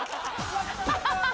ハハハ！